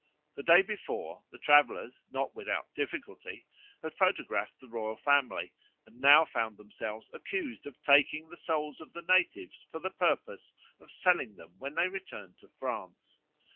The day before the travellers, not without difficulty, had photographed the royal family, and now found themselves accused of taking the souls of the natives for the purpose of selling them when they returned to France.